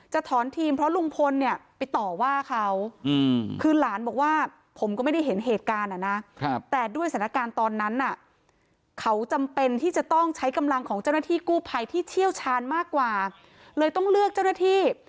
ถอนทีมเพราะลุงพลเนี่ยไปต่อว่าเขาคือหลานบอกว่าผมก็ไม่ได้เห็นเหตุการณ์นะแต่ด้วยสถานการณ์ตอนนั้นเขาจำเป็นที่จะต้องใช้กำลังของเจ้าหน้าที่กู้ภัยที่เชี่ยวชาญมากกว่าเลยต้องเลือกเจ้าหน้าที่